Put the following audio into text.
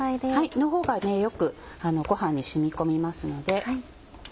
のほうがよくご飯に染み込みますので。